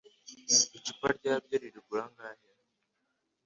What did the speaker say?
Icupa rya byeri rigura angahe?